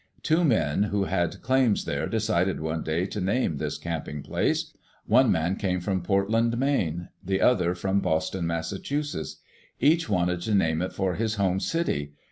Two men who had claims there decided one day to name this camping place. One man came from Portland, Maine; the other from Boston, Massachusetts. Each wanted to name it for his home city.